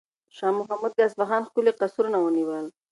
شاه محمود د اصفهان ښکلي قصرونه ونیول.